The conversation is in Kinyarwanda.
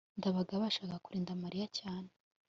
ndabaga yashakaga kurinda mariya cyane